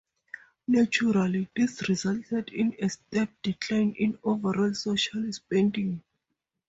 Naturally, this resulted in a steep decline in overall social spending.